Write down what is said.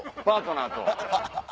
パートナーと。